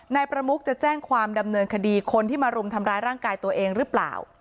นายประมุกจะแจ้งความดำเนินคดีคนที่มารุมทำร้ายร่างกายตัวเองหรือเปล่า